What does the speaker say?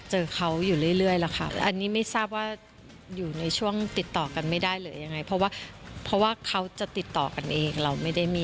เห็นมีคนมาติดต่อแล้ว